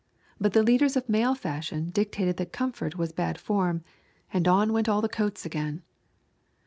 But the leaders of male fashion dictated that comfort was bad form, and on went all the coats again.